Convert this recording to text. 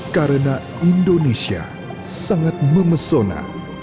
karena indonesia sangat memesona